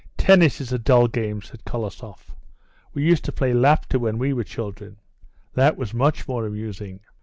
"Tennis is a dull game," said Kolosoff; "we used to play lapta when we were children. That was much more amusing."